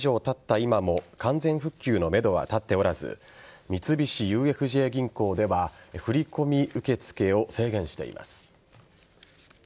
今も完全復旧のめどは立っておらず三菱ＵＦＪ銀行では振り込み受け付けを制限しています。